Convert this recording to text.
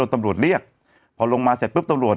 ตำรวจเรียกพอลงมาเสร็จปุ๊บตำรวจ